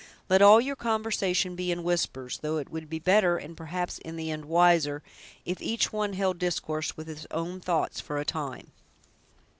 Let all your conversation be in whispers; though it would be better, and, perhaps, in the end, wiser, if each one held discourse with his own thoughts, for a time."